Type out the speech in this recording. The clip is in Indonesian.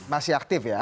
masih aktif ya